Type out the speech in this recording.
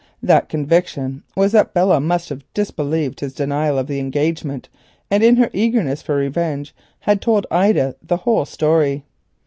This conviction was, that Belle had disbelieved his denial of the engagement, and in her eagerness for revenge, must have told Ida the whole story.